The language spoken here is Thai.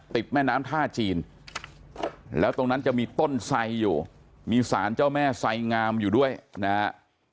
แม่น้ำท่าจีนแล้วตรงนั้นจะมีต้นไสอยู่มีสารเจ้าแม่ไสงามอยู่ด้วยนะฮะ